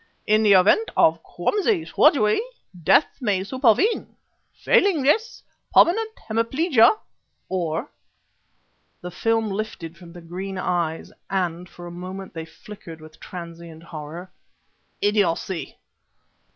In the event of clumsy surgery, death may supervene; failing this, permanent hemiplegia or" the film lifted from the green eyes, and for a moment they flickered with transient horror "idiocy!